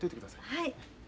はい。